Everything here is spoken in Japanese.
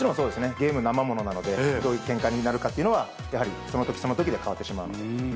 ゲーム、生ものなので、どういう展開になるかというのは、やはりそのときそのときで変わってしまうので。